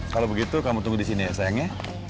kalau begitu kamu tunggu di sini sayangnya